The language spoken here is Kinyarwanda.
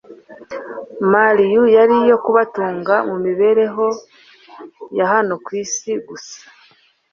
Mariu yari iyo kubatunga mu mibereho ya hano ku isi gusa,